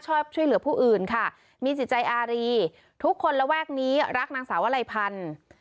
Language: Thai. ช่วยเหลือผู้อื่นค่ะมีจิตใจอารีทุกคนระแวกนี้รักนางสาววลัยพันธุ์